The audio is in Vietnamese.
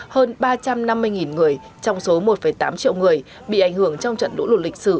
hơn ba trăm năm mươi người trong số một tám triệu người bị ảnh hưởng trong trận lũ lụt lịch sử